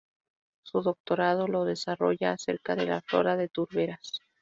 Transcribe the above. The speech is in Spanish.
Su doctorado lo desarrolla acerca de flora de turberas.